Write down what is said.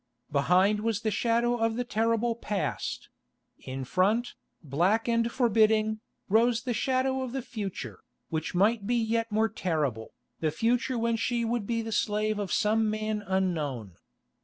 Behind was the shadow of the terrible past; in front, black and forbidding, rose the shadow of the future, which might be yet more terrible, the future when she would be the slave of some man unknown.